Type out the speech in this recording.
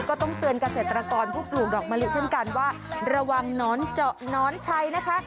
ก็ต้องเตือนเกษตรกรผู้ปลูกดอกมะลิเช่นกันว่าระวังหนอนเจาะหนอนชัยนะคะ